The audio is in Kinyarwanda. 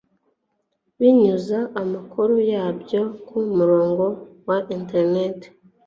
binyuza amakuru yabyo ku murongo wa internet